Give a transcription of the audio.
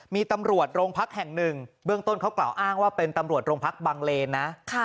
มีตำรวจโรงพักแห่งหนึ่งเบื้องต้นเขากล่าวอ้างว่าเป็นตำรวจโรงพักบังเลนนะ